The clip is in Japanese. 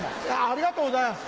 ありがとうございます！